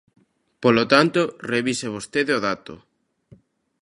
Polo tanto, revise vostede o dato.